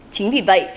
chính vì vậy